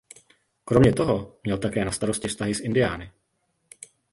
Kromě toho měl také na starosti vztahy s Indiány.